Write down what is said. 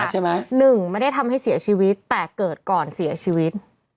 หนึ่งไม่ได้ทำให้เสียชีวิตแต่เกิดก่อนเสียชีวิต